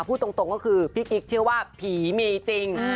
พูดตรงก็คือพี่กิ๊กเชื่อว่าผีมีจริง